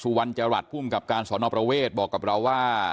สุวรรณจังหวัดภูมิกับการสอนอประเวทบอกกับเราว่า